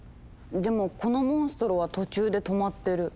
でもこのモンストロは途中で止まってる。